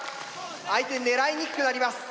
相手狙いにくくなります。